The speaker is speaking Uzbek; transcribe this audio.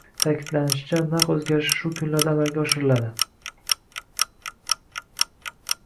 Ta`kidlanishicha, narx o'zgarishi shu kunlarda amalga oshiriladi